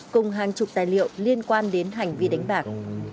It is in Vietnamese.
cùng hàng chục tài liệu liên quan đến hành vi đánh bạc